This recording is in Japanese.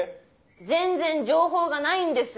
全然情報がないんです